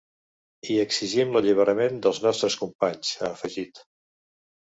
I exigim l’alliberament dels nostres companys, ha afegit.